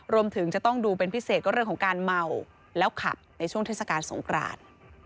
รวมถึงจะต้องดูเป็นพิเศษก็เรื่องของการเมาแล้วขับในช่วงเทศกาลสงคราน